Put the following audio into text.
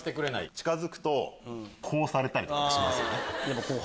近づくとこうされたりします。